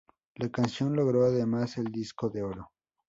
La canción logró además el disco de oro.